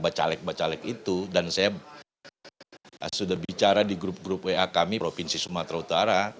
bacalek bacalek itu dan saya sudah bicara di grup grup wa kami provinsi sumatera utara